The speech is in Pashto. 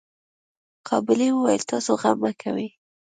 قابلې وويل تاسو غم مه کوئ.